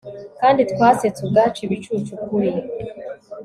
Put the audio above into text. kandi twasetse ubwacu ibicucu, ukuri